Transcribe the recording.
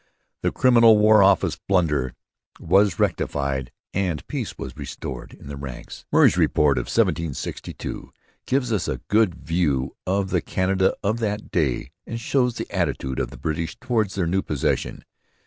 The criminal War Office blunder was rectified and peace was restored in the ranks. 'Murray's Report' of 1762 gives us a good view of the Canada of that day and shows the attitude of the British towards their new possession.